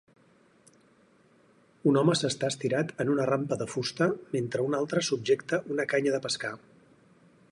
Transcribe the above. Un home s'està estirat en una rampa de fusta mentre un altre subjecta una canya de pescar.